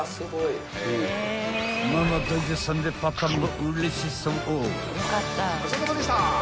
［ママ大絶賛でパパもうれしそう］